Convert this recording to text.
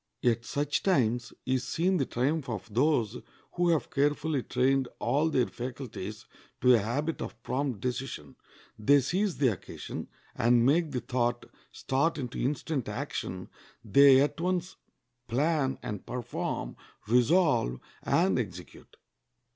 At such times is seen the triumph of those who have carefully trained all their faculties to a habit of prompt decision. They seize the occasion, and make the thought start into instant action; they at once plan and perform, resolve and execute.